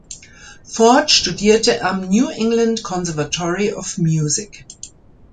Ford studierte am New England Conservatory of Music.